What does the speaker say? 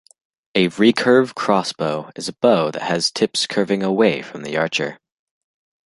A recurve crossbow is a bow that has tips curving away from the archer.